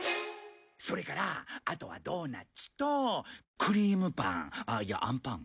それからあとはドーナツとクリームパンいやあんパン。